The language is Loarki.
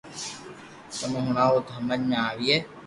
تمو ھڻاويو تو ھمج ۾ آوئي